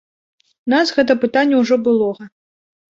У нас гэта пытанне ўжо былога.